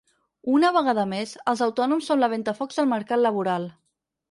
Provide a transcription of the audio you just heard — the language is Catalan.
Una vegada més, els autònoms són la ventafocs del mercat laboral.